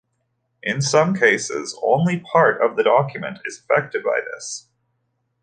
In some cases, only part of the document is affected by this.